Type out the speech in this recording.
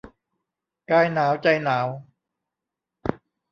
กายหนาว ใจหนาว